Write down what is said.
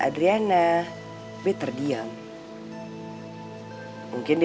kau mau ngamun sih